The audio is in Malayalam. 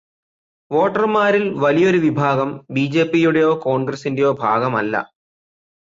വോട്ടർമാരിൽ വലിയൊരു വിഭാഗം ബി.ജെ.പിയുടെയോ കോൺഗ്രസിന്റെയോ ഭാഗമല്ല.